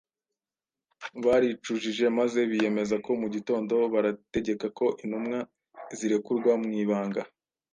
baricujije maze biyemeza ko mu gitondo barategeka ko intumwa zirekurwa mu ibanga